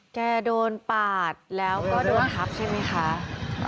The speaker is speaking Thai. แกโดนปาดแล้วก็โดนทับใช่ไหมคะ